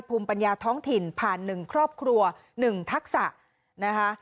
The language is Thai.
ภูมิปัญญาท้องถิ่นผ่าน๑ครอบครัว๑ทักษะนะคะ